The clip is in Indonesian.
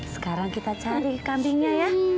sekarang kita cari kambingnya ya